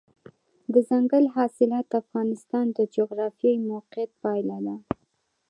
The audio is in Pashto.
دځنګل حاصلات د افغانستان د جغرافیایي موقیعت پایله ده.